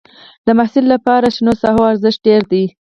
د محصل لپاره شنو ساحو ارزښت ډېر دی.